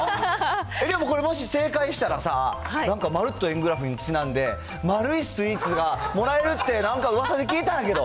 えっ、でもこれもし正解したらさ、なんかまるっと円グラフにちなんで、丸いスイーツがもらえるって、なんかうわさに聞いたんやけど。